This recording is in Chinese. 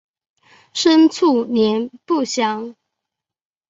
生卒年不详。